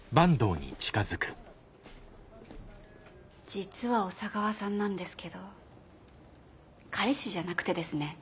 実は小佐川さんなんですけど彼氏じゃなくてですね。